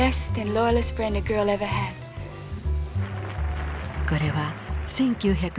これは１９５３年